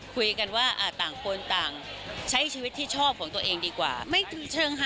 คุยกันว่าต่างคนต่าง